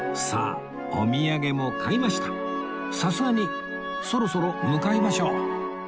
さすがにそろそろ向かいましょう